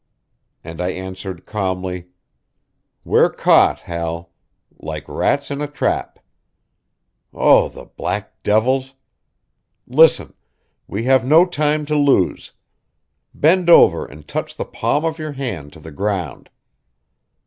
And I answered calmly: "We're caught, Hal. Like rats in a trap. Oh, the black devils! Listen! We have no time to lose. Bend over and touch the palm of your hand to the ground."